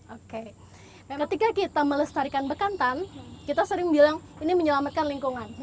oke ketika kita melestarikan bekantan kita sering bilang ini menyelamatkan lingkungan